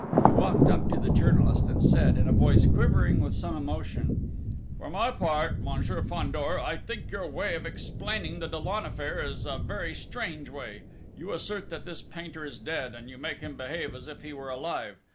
He walked up to the journalist and said, in a voice quivering with some emotion: "For my part, Monsieur Fandor, I think your way of explaining the Dollon affair is a very strange way!... You assert that this painter is dead, and you make him behave as if he were alive!...